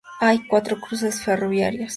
Hay cuatro cruces ferroviarios.